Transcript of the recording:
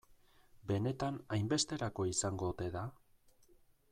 Benetan hainbesterako izango ote da?